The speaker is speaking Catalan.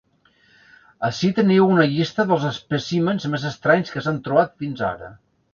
Ací teniu una llista dels espècimens més estranys que s’han trobat fins ara.